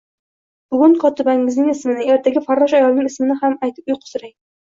Bugun kotibangizning ismini, ertaga farrosh ayolning ismini aytib uyqusirang